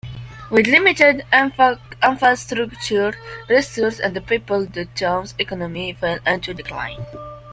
With limited infrastructure, resources and people, the town's economy fell into decline.